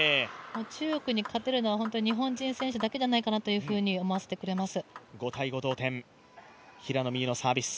中国に勝てるのは日本人選手だけじゃないかなと思わせてくれます。